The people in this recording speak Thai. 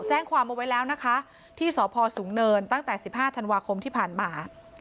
แจ้งความเอาไว้แล้วนะคะที่สพสูงเนินตั้งแต่๑๕ธันวาคมที่ผ่านมา